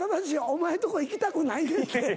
お前んとこいきたくないねんって。